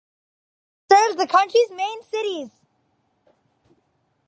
It serves the country's main cities.